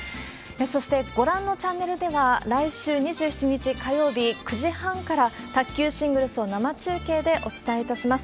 そしてご覧のチャンネルでは、来週２７日火曜日９時半から、卓球シングルスを生中継でお伝えいたします。